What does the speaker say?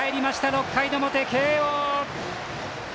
６回の表、慶応！